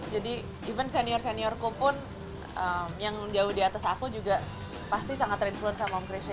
jadi even senior seniorku pun yang jauh di atas aku juga pasti sangat terinfluence sama almarhum krisha